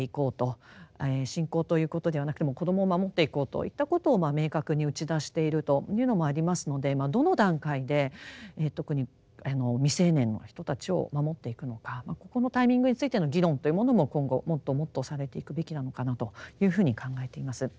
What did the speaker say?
信仰ということではなくてもう子どもを守っていこうといったことを明確に打ち出しているというのもありますのでどの段階で特に未成年の人たちを守っていくのかここのタイミングについての議論というものも今後もっともっとされていくべきなのかなというふうに考えています。